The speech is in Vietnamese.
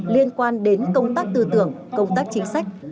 liên quan đến công tác tư tưởng công tác chính sách